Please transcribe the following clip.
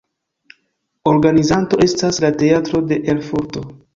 Organizanto estas la Teatro de Erfurto.